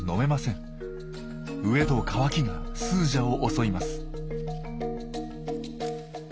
飢えと渇きがスージャを襲います。